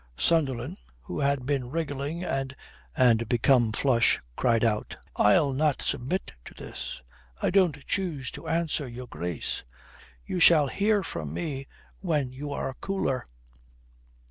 Sunderland, who had been wriggling and become flushed, cried out: "I'll not submit to this. I don't choose to answer your Grace. You shall hear from me when you are cooler."